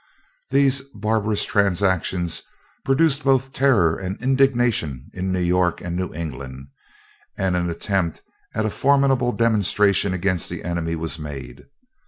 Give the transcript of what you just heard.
These barbarous transactions produced both terror and indignation in New York and New England, and an attempt at a formidable demonstration against the enemy was made.